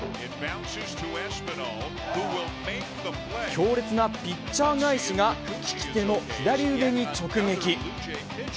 強烈なピッチャー返しが、利き手の左腕に直撃。